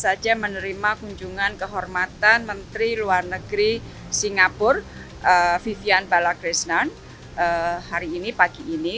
saja menerima kunjungan kehormatan menteri luar negeri singapura vivian balagrisnan hari ini pagi ini